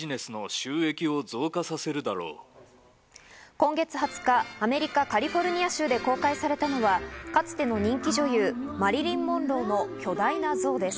今月２０日アメリカ・カリフォルニア州で公開されたのは、かつての人気女優、マリリン・モンローの巨大な像です。